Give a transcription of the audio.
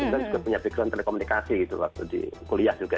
tapi kan juga punya background telekomunikasi waktu di kuliah juga